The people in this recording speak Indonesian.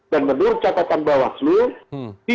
dan menurut catatan bawah seluruh